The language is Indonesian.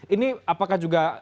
ini apakah juga